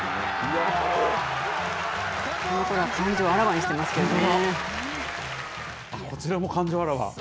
このころは感情をあらわにしてますけどね。